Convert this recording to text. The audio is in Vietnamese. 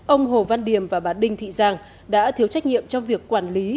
ông hồ văn điểm và bà đinh thị giang đã thiếu trách nhiệm trong việc quản lý